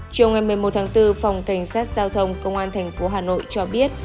chiều ngày một mươi một tháng bốn phòng cảnh sát giao thông công an thành phố hà nội cho biết